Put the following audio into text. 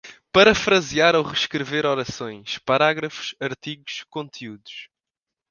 Parafrasear ou reescrever orações, parágrafos, artigos, conteúdos